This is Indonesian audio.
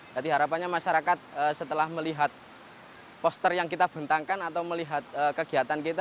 jadi harapannya masyarakat setelah melihat poster yang kita bentangkan atau melihat kegiatan kita